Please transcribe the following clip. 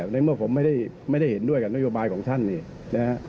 ในเมื่อผมไม่ได้เห็นด้วยกับนโยบายของเขา